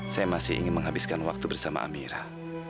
saya masih ingin menghabiskan waktu bersama amira